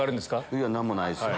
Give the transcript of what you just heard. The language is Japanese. いや何もないですよ。